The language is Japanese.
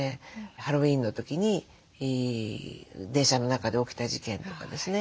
ハロウィーンの時に電車の中で起きた事件とかですね。